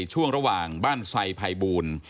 ช่วงระหว่างบ้านไซภัยบูล